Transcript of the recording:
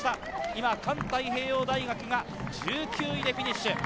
今、環太平洋大学が１９位でフィニッシュ。